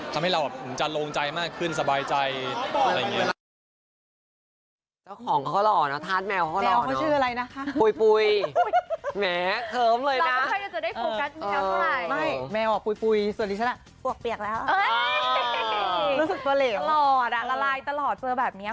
ทำให้เราแบบจะลงใจมากขึ้นสบายใจอะไรอย่างนี้